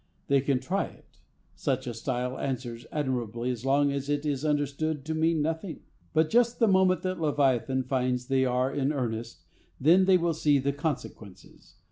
They can try it. Such a style answers admirably as long as it is understood to mean nothing. But just the moment that Leviathan finds they are in earnest, then they will see the consequences.